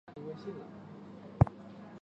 阮文清从小接受西方教育。